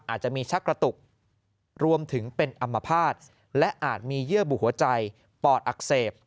อาจจะมีชักกระตุกรวมถึงเป็นอัมพาตและอาจมีเยื่อบุหัวใจปอดอักเสบ